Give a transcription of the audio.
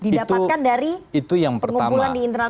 jadi itu yang pertama